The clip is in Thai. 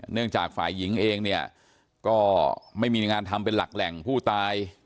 จากฝ่ายหญิงเองเนี่ยก็ไม่มีงานทำเป็นหลักแหล่งผู้ตาย